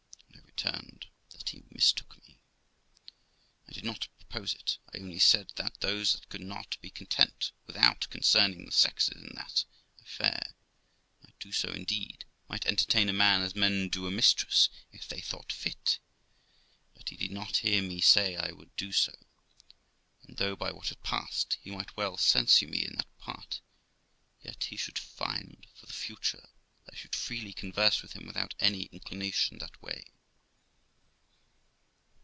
I returned, that he mistook me; I did not propose it; I only said that those that could not be content without concerning the sexes in that affaii might do so indeed ; might entertain a man as men do a mistress, if they thought fit, but he did not hear me say I would do so; and though, by what had passed, he might well censure me in that part, yet he should find, for the future, that I should freely converse with him without any inclination that way.